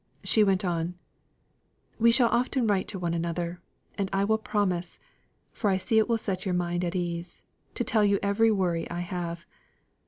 She went on: "We shall write often to one another, and I will promise for I see it will set your mind at ease to tell you every worry I have.